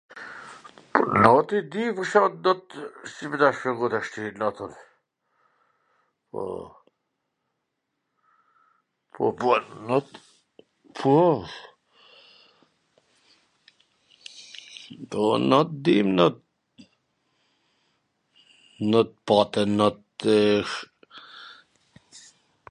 noti di, si me ta shpjegu tashti notin, ... po, po, po, not, ... po, po, not, dim not, not pate, notwww...